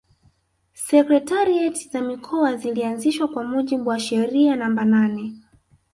Sekretarieti za Mikoa zilianzishwa kwa mujibu wa sheria namba nane